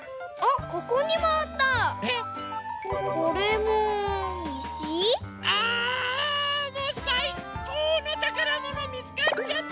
もうさいこうのたからものみつかっちゃった！